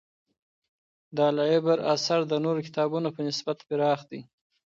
د «العِبر» اثر د نورو کتابونو په نسبت پراخ دی.